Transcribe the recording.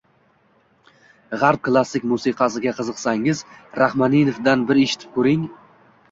G‘arb klassik musiqasiga qiziqsangiz, Raxmaninovdan bir eshitib ko‘ring